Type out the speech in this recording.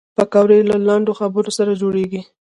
پکورې له لنډو خبرو سره جوړېږي